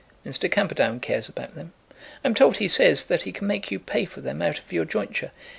"Mr. Camperdown cares about them. I'm told he says that he can make you pay for them out of your jointure."